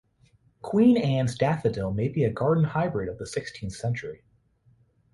Queen Anne's daffodil may be a garden hybrid of the sixteenth century.